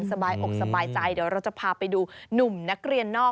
สบายอกสบายใจเดี๋ยวเราจะพาไปดูหนุ่มนักเรียนนอก